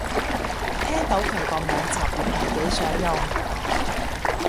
聽到佢個名就唔係幾想用